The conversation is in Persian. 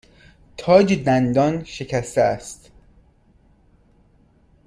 تاج دندان شکسته است.